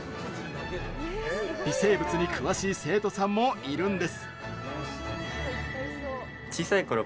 微生物に詳しい生徒さんもいるんです。